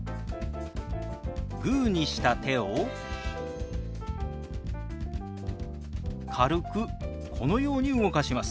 グーにした手を軽くこのように動かします。